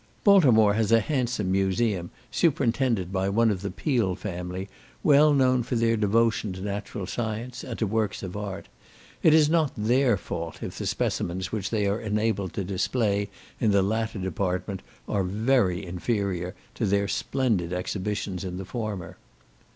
Baltimore has a handsome museum, superintended by one of the Peale family, well known for their devotion to natural science, and to works of art. It is not their fault if the specimens which they are enabled to display in the latter department are very inferior to their splendid exhibitions in the former.